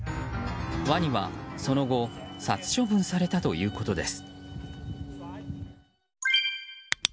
ワニはその後殺処分されたということです。